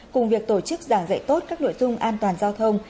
cùng việc tổ chức giảng dạy tốt các nội dung an toàn giao thông